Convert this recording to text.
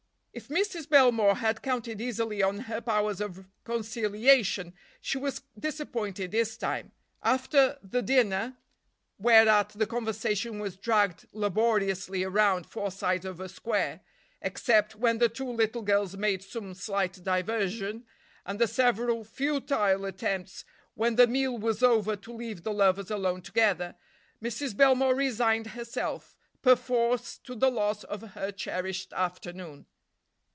If Mrs. Belmore had counted easily on her powers of conciliation she was disappointed this time. After the dinner, whereat the conversation was dragged laboriously around four sides of a square, except when the two little girls made some slight diversion, and the several futile attempts when the meal was over to leave the lovers alone together, Mrs. Belmore resigned herself, perforce, to the loss of her cherished afternoon.